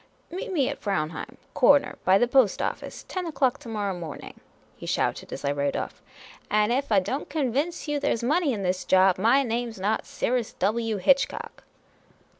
" Meet me at Fraunheim ; cor ner by the Post office ; ten o'clock to morrow morning," he shouted, as I rode off, " and ef I don't convince you there 's money in this job, my name 's not Cyrus W. Hitchcock."